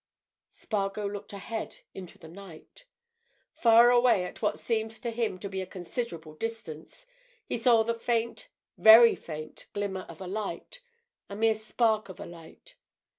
Spargo looked ahead into the night. Far away, at what seemed to him to be a considerable distance, he saw the faint, very faint glimmer of a light—a mere spark of a light.